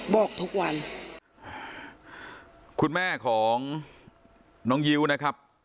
บอกทุกวันคุณแม่ของน้องยิ้วนะครับ